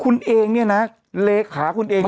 คุณเองเนี่ยนะเลขาคุณเอง